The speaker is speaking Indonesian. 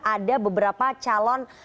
ada beberapa calon